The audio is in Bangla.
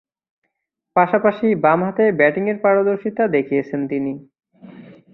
পাশাপাশি বামহাতে ব্যাটিংয়ে পারদর্শিতা দেখিয়েছেন তিনি।